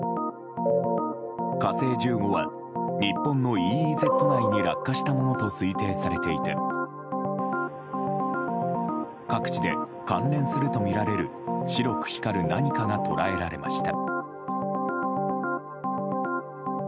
「火星１５」は日本のＥＥＺ内に落下したものと推定されていて各地で関連するとみられる白く光る何かが捉えられました。